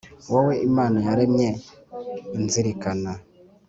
wowe imana yaremye inzirikana,